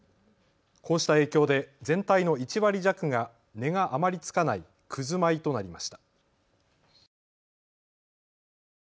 こうした影響で全体の１割弱が値があまりつかないくず米となりました。